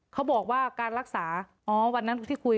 เขาบอกว่าการรักษาอ๋อวันนั้นที่คุย